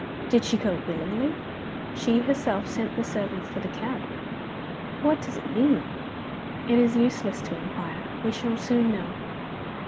"Did she go willingly?" "She herself sent the servant for the cab." "What does it mean?" "It is useless to inquire. We shall soon know."